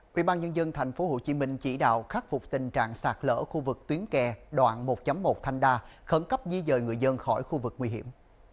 quỹ ban nhân dân tp hcm chỉ đạo khắc phục tình trạng sạt lỡ khu vực tuyến kè đoạn một một thanh đa khẩn cấp di dời người dân khỏi khu vực nguy hiểm